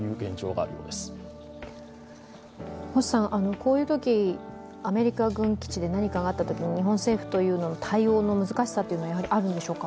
こういうとき、アメリカ軍基地で何かがあったときに日本政府の対応の難しさというのは、やはりあるんでしょうか。